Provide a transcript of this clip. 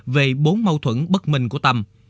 về bốn mâu thuẫn bất minh của tâm